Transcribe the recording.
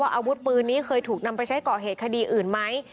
อาวุธปืนนี้เคยถูกนำไปใช้ก่อเหตุคดีอื่นไหม